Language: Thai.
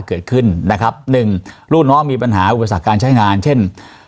เกิดขึ้นนะครับหนึ่งลูกน้องมีปัญหาอุปสรรคการใช้งานเช่น